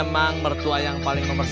empang mertua yang paling number satu